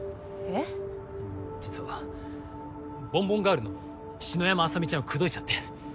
あの実はボンボンガールの篠山あさみちゃんを口説いちゃって。